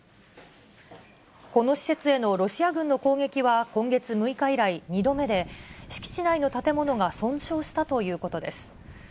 この施設へのロシア軍の攻撃は、今月６日以来、２度目で、敷地内の建物が損傷したということです。